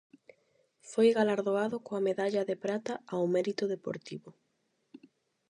Foi galardoado coa medalla de prata ao Mérito Deportivo.